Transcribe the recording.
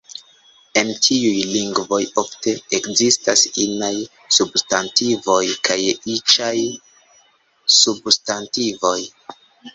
En tiuj lingvoj, ofte ekzistas inaj substantivoj kaj iĉaj substantivoj.